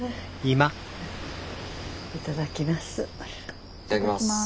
いただきます。